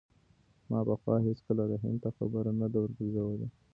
ما پخوا هېڅکله رحیم ته خبره نه ده ورګرځولې.